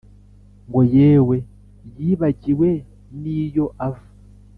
ngo yewe yibagiwe niyo ava